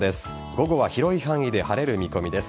午後は広い範囲で晴れる見込みです。